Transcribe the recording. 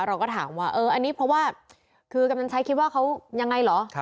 เราก็ถามว่าเอออันนี้เพราะว่าคือกำนันชัยคิดว่าเขายังไงเหรอ